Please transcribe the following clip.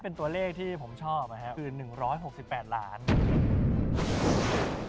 เป็นตัวเลขที่ผมชอบคือ๑๖๘ล้านบาท